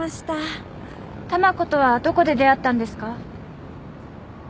たまことはどこで出会ったんですか？